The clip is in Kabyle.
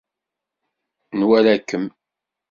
Nwala-kem.